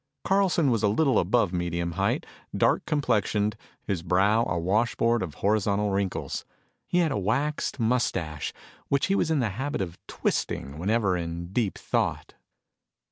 Carlson was a little above medium height, dark complexioned, his brow a washboard of horizontal wrinkles. He had a waxed mustache which he was in the habit of twisting whenever in deep thought.